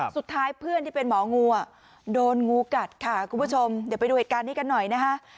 เพื่อนที่เป็นหมองูอ่ะโดนงูกัดค่ะคุณผู้ชมเดี๋ยวไปดูเหตุการณ์นี้กันหน่อยนะคะ